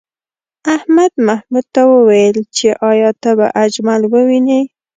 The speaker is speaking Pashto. احمد محمود ته وویل چې ایا ته به اجمل ووینې؟